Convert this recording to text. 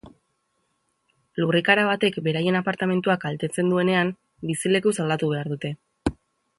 Lurrikara batek beraien apartamentua kaltetzen duenean, bizilekuz aldatu behar dute.